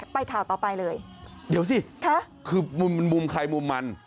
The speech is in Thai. ไปข่าวต่อไปเลยเดี๋ยวสิค่ะคือมุมมุมไข่มุมมัน